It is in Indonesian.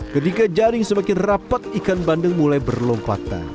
ketika jaring semakin rapat ikan bandeng mulai berlompat ke bawah